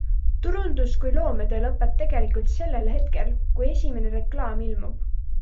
Turundus kui loometöö lõpeb tegelikult sellel hetkel, kui esimene reklaam ilmub.